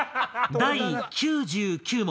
第９９問。